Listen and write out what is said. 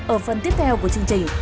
ở phần tiếp theo của chương trình